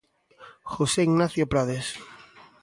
José Ignacio Prades.